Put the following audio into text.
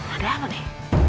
ada apa nih